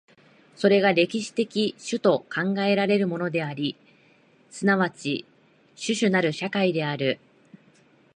それが歴史的種と考えられるものであり、即ち種々なる社会である。